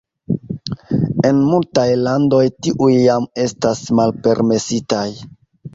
En multaj landoj tiuj jam estas malpermesitaj.